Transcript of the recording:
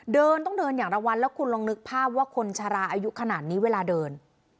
เดินต้องเดินอย่างระวังแล้วคุณลองนึกภาพว่าคนชะลาอายุขนาดนี้เวลาเดิน